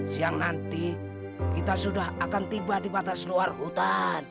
siang nanti kita sudah akan tiba di batas luar hutan